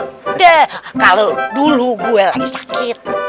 udah kalau dulu gue lagi sakit